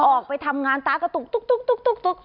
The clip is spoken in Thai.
ออกไปทำงานตากระตุก